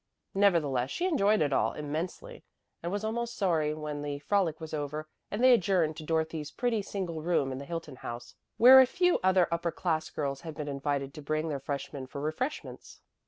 Nevertheless she enjoyed it all immensely and was almost sorry when the frolic was over and they adjourned to Dorothy's pretty single room in the Hilton House, where a few other upper class girls had been invited to bring their freshmen for refreshments.